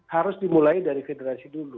harus dimulai dari federasi dulu